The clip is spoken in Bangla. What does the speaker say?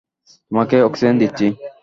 তোমাকে অক্সিজেন দিচ্ছি।